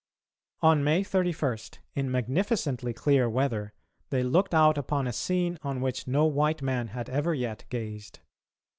On May 31 in magnificently clear weather they looked out upon a scene on which no white man had ever yet gazed.